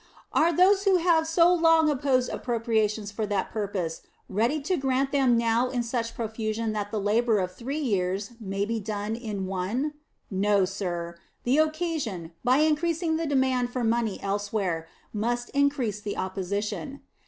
Are those who have so long opposed appropriations for that purpose ready to grant them now in such profusion that the labor of three years may be done in one? No, sir; the occasion, by increasing the demand for money elsewhere, must increase the opposition.